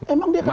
emang dia kenapa